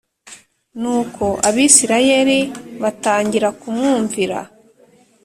Nuko Abisirayeli batangira kumwumvira,